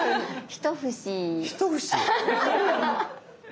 一節？